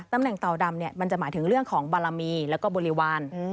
ตำแหน่งเต่าดำเนี่ยมันจะหมายถึงเรื่องของบารมีแล้วก็บริวาร